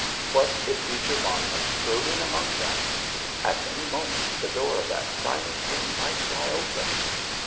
What if Beecher Monmouth strode in among them? At any moment the door of that silent room might fly open....